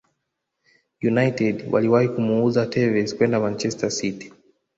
United waliwahi kumuuza Tevez kwenda manchester City